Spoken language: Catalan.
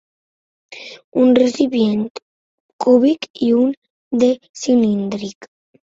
Un recipient cúbic i un de cilíndric.